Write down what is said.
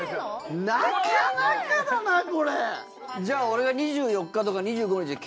じゃあ俺が２４日とか２５日。